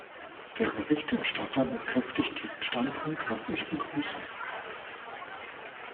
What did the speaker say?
Der Berichterstatter bekräftigt diesen Standpunkt, was ich begrüße.